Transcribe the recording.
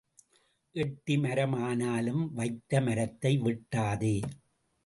எட்டி மரம் ஆனாலும் வைத்த மரத்தை வெட்டாதே.